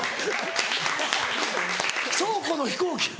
倉庫の飛行機！